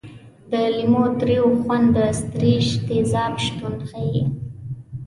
د لیمو تریو خوند د ستریک تیزاب شتون ښيي.